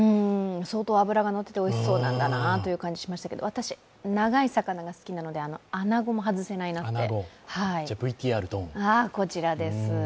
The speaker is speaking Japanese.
相当、脂がのっていておいしそうだなという感じがしましたけど私、長い魚が好きなので、あなごも外せないなって。